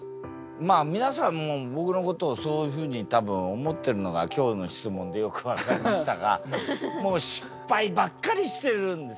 まあ皆さんも僕のことをそういうふうに多分思ってるのが今日の質問でよく分かりましたがもう失敗ばっかりしてるんですよ。